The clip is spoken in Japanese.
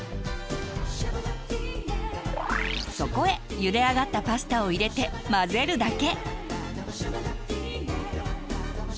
そこへゆで上がったパスタを入れて混ぜるだけ。